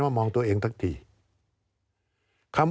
การเลือกตั้งครั้งนี้แน่